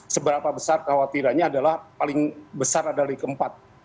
seberapa besar khawatirannya adalah paling besar adalah di keempat